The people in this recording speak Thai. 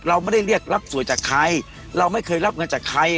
เราไม่ได้เรียกรับสวยจากใครเราไม่เคยรับเงินจากใคร